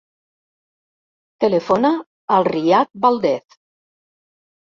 Telefona al Riyad Valdez.